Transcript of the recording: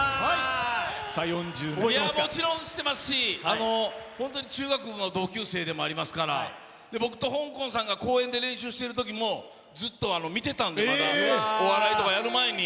これはもちろん知ってますし、本当に中学の同級生でもありますから、僕とほんこんさんが公園で練習してるときも、ずっと見てたんで、お笑いとかやる前に。